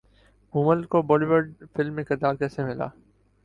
مومل کو Bollywood film میں کردار کیسے ملا